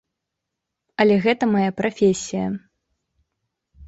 Але гэта мая прафесія.